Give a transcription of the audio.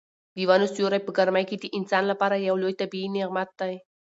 د ونو سیوری په ګرمۍ کې د انسان لپاره یو لوی طبیعي نعمت دی.